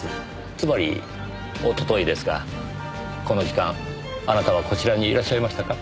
つまりおとといですがこの時間あなたはこちらにいらっしゃいましたか？